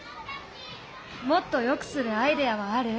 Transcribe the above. もっとよくするアイデアはある？